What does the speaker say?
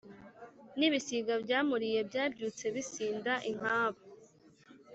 n'ibisiga byamuliye byabyutse bisinda inkaba,